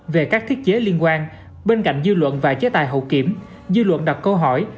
về các thiết chế liên quan bên cạnh dư luận và chế tài hậu kiểm dư luận đặt câu hỏi